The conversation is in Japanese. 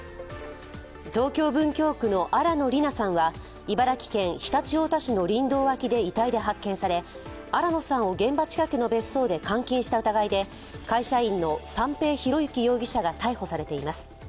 東京・文京区の新野りなさんは茨城県常陸太田市の林道脇の遺体で発見され、新野さんを現場近くの別荘で監禁した疑いで会社員の三瓶博幸容疑者が逮捕されています。